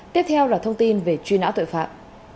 tiếp theo là thông tin về truy nã tội phạm